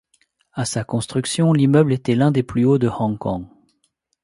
À sa construction l'immeuble était l'un des plus hauts de Hong Kong.